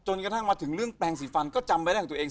กระทั่งมาถึงเรื่องแปลงสีฟันก็จำไปได้ของตัวเอง